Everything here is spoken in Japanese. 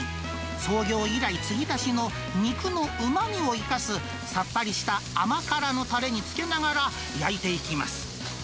創業以来継ぎ足しの肉のうまみを生かす、さっぱりした甘辛のたれにつけながら焼いていきます。